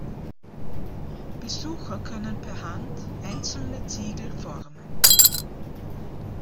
Besucher können per Hand einzelne Ziegel formen.